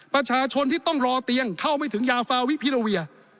ประชาชนที่ต้องรอเตียงเข้าไม่ถึงยาฟาวิพิโรเวีย